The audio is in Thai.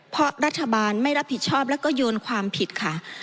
เพราะรัฐบาลไม่รับผิดชอบแล้วก็โยนความผิดค่ะ